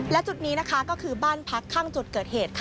และจุดนี้ก็คือบ้านพักแรกที่จะเกิดเหตุ